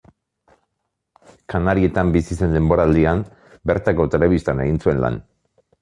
Kanarietan bizi zen denboraldian bertako telebistan egin zuen lan.